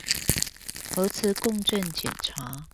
核磁共振檢查